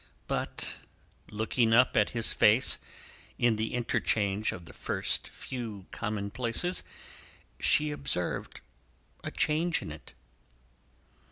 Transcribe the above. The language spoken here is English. But, looking up at his face in the interchange of the first few common places, she observed a change in it.